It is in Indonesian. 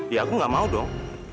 ya aku gak mau dong